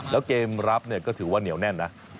แล้วเกมรับเนี่ยก็ถือว่าเหนียวแน่นนะ